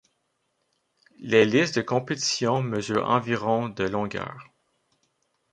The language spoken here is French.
Les lices de compétitions mesurent environ de longueur.